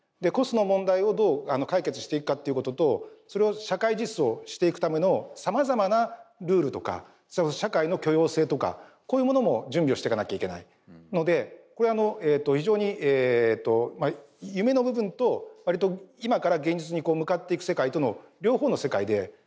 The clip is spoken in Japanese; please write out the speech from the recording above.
コストの問題をどう解決していくかということとそれを社会実装していくためのさまざまなルールとか社会の許容性とかこういうものも準備をしていかなきゃいけないのでこれは非常にえと夢の部分と割と今から現実に向かっていく世界との両方の世界で。